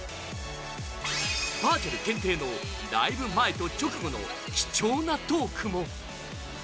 バーチャル限定のライブ前と直後の貴重なトークも。